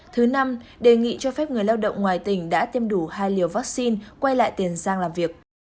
thứ năm đề nghị cho phép người lao động ngoài tỉnh đã tiêm đủ hai liều vaccine quay lại tiền giang làm việc